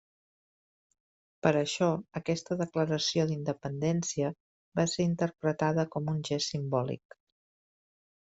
Per això, aquesta declaració d'independència va ser interpretada com un gest simbòlic.